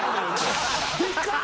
でかっ！